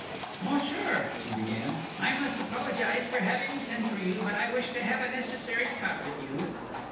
"Monsieur," she began, "I must apologise for having sent for you, but I wished to have a necessary talk with you."